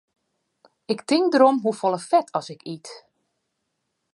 Ik tink derom hoefolle fet as ik yt.